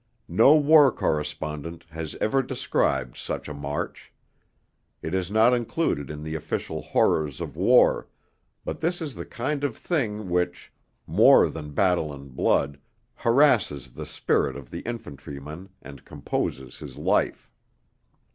No war correspondent has ever described such a march; it is not included in the official 'horrors of war'; but this is the kind of thing which, more than battle and blood, harasses the spirit of the infantryman, and composes his life.